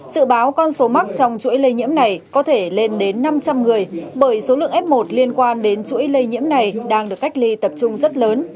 dự báo con số mắc trong chuỗi lây nhiễm này có thể lên đến năm trăm linh người bởi số lượng f một liên quan đến chuỗi lây nhiễm này đang được cách ly tập trung rất lớn